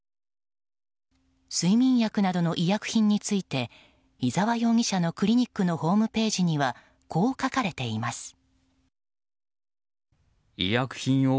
睡眠薬などの医薬品について伊沢容疑者のクリニックのホームページにはこう書かれています。